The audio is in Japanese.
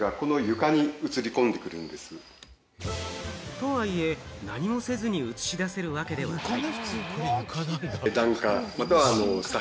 とはいえ、何もせずに映し出せるわけではない。